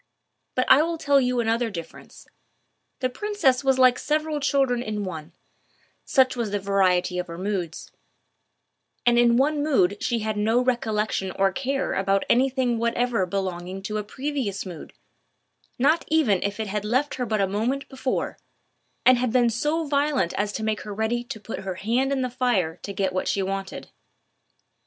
But I will tell you another difference: the princess was like several children in one—such was the variety of her moods; and in one mood she had no recollection or care about any thing whatever belonging to a previous mood—not even if it had left her but a moment before, and had been so violent as to make her ready to put her hand in the fire to get what she wanted.